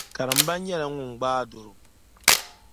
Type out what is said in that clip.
Karimba nyɛla ŋun gbaai doro.